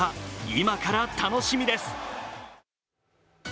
今から楽しみです。